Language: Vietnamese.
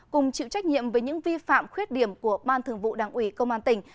cùng chịu trách nhiệm về những vi phạm khuyết điểm của ban thường vụ đảng ủy công an tỉnh